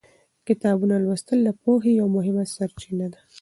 کتابونه لوستل د پوهې یوه مهمه سرچینه ده.